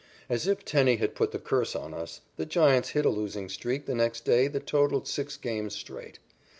As if Tenney had put the curse on us, the Giants hit a losing streak the next day that totalled six games straight.